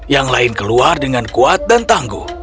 yang lain keluar dengan kuat dan tangguh